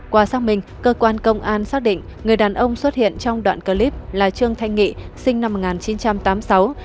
qua xác minh cơ quan công an xác định người đàn ông xuất hiện trong đoạn clip là trương thanh nghị sinh năm một nghìn chín trăm tám mươi sáu